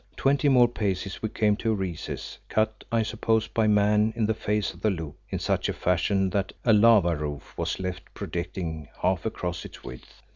Twenty more paces and we came to a recess cut, I suppose, by man in the face of the loop, in such fashion that a lava roof was left projecting half across its width.